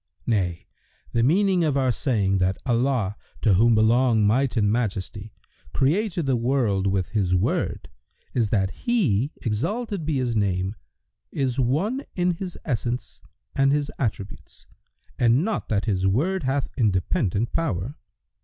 Nay, the meaning of our saying that Allah (to whom belong Might and Majesty!) created the world with His Word is that He (exalted be His name!) is One in His essence and His attributes and not that His Word hath independent power.